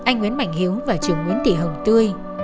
nguyễn mạnh hiếu và trường nguyễn thị hồng tươi